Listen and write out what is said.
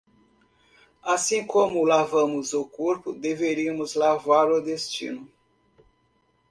Assim como lavamos o corpo deveríamos lavar o destino